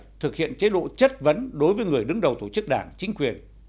thứ ba thực hiện chế độ chất vấn đối với người đứng đầu tổ chức đảng chính quyền